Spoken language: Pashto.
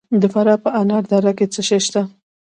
د فراه په انار دره کې څه شی شته؟